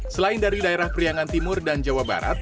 selain dari daerah priangan timur dan jawa barat